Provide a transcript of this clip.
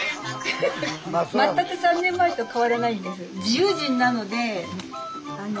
全く３年前と変わらないんです。